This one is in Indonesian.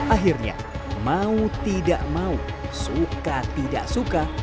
akhirnya mau tidak mau suka tidak suka